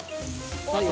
はい。